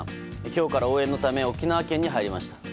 今日から応援のため沖縄県に入りました。